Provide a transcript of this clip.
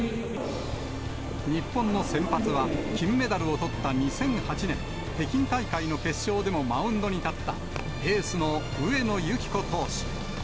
日本の先発は、金メダルをとった２００８年、北京大会の決勝でもマウンドに立った、エースの上野由岐子投手。